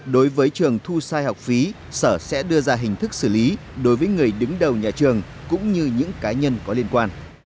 đối với trường thu sai học phí sở sẽ đưa ra hình thức xử lý đối với người đứng đầu nhà trường cũng như những cá nhân có liên quan